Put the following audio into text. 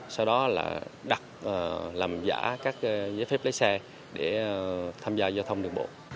sau đó là đặt làm giả các giấy phép lấy xe để tham gia giao thông đường bộ